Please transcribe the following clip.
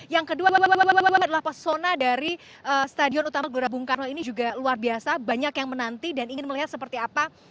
yang kedua adalah pesona dari stadion utama gelora bung karno ini juga luar biasa banyak yang menanti dan ingin melihat seperti apa